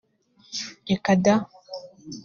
reka da!